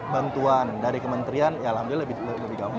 bantuan dari kementerian ya alhamdulillah lebih gampang